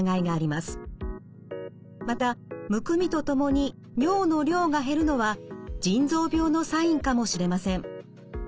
またむくみとともに尿の量が減るのは腎臓病のサインかもしれません。